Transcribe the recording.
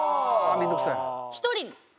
面倒くさい。